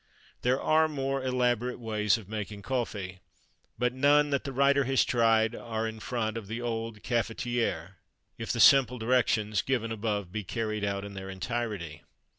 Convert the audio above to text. There are more elaborate ways of making coffee; but none that the writer has tried are in front of the old cafetière, if the simple directions given above be carried out in their entirety.